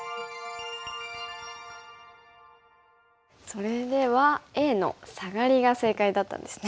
それではＡのサガリが正解だったんですね。